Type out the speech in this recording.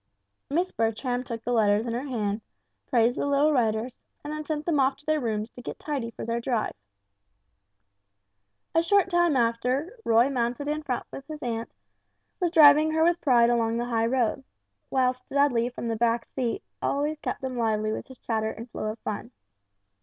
Miss Bertram took the letters in her hand, praised the little writers, and then sent them off to their rooms to get tidy for their drive. A short time after, Roy mounted in front with his aunt, was driving her with pride along the high road; whilst Dudley from the back seat kept them lively with his chatter and flow of fun.